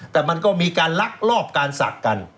แต่มันก็มีการลักลอบการศักดิ์กัน